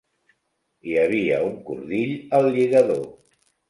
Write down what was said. Hi havia un cordill al lligador.